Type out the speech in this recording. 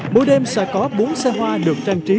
mỗi đêm sẽ có bốn xe hoa được trang trí